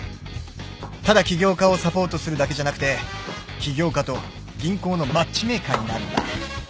ただ起業家をサポートするだけじゃなくて起業家と銀行のマッチメーカーになるんだ。